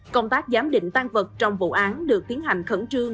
công tác giám định tan vật trong vụ án được tiến hành khẩn trương